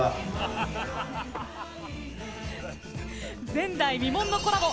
前代未聞のコラボ